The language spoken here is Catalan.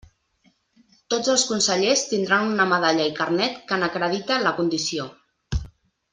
Tots els consellers tindran una medalla i carnet que n'acredite la condició.